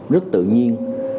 rất tự nhiên